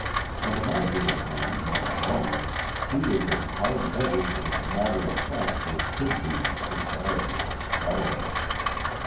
An imaginative man when alone, he was as hard headed and matter of fact as could be in the society of his fellows.